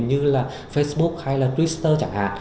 như là facebook hay là twitter chẳng hạn